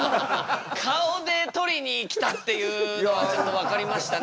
顔で取りにきたっていうのはちょっと分かりましたね。